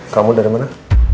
kamu dari mana